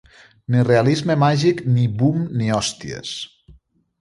Ni realisme màgic ni boom ni hòsties.